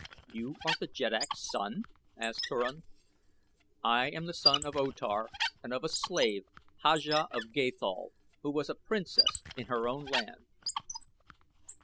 "You are the jeddak's son?" asked Turan. "I am the son of O Tar and of a slave, Haja of Gathol, who was a princess in her own land."